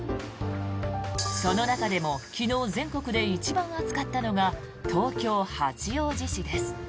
その中でも昨日、全国で一番暑かったのが東京・八王子市です。